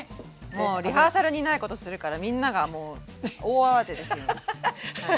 もうリハーサルにないことするからみんながもう大慌てですよ。